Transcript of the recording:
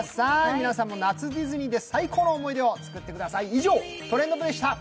皆さんも夏ディズニーで最高の思い出を作ってみてください。